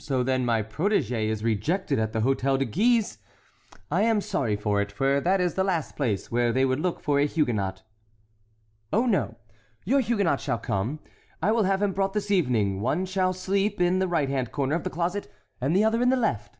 "So then my protégé is rejected at the Hôtel de Guise. I am sorry for it, for that is the last place where they would look for a Huguenot." "Oh, no, your Huguenot shall come; I will have him brought this evening: one shall sleep in the right hand corner of the closet and the other in the left."